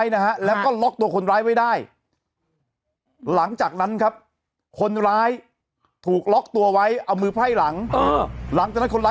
ยังไงยังไงยังไงยังไงยังไงยังไงยังไงยังไง